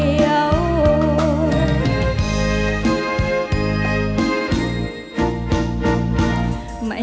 ไม่เคยบอกรักไหน